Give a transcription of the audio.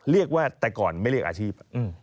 เรียกว่าแต่ก่อนไม่เรียกอาชีพ